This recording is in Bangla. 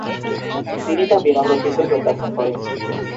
তিনি তা বিনম্র চিত্তে প্রত্যাখান করেন।